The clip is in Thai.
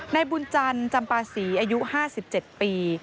นายบุญจันทร์จำปาศรีอายุ๕๗ปี